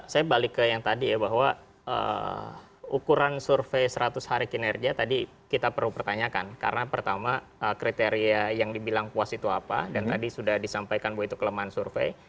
saya balik ke yang tadi ya bahwa ukuran survei seratus hari kinerja tadi kita perlu pertanyakan karena pertama kriteria yang dibilang puas itu apa dan tadi sudah disampaikan bahwa itu kelemahan survei